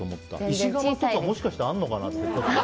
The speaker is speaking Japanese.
石窯とかがもしかしたらあるのかなって。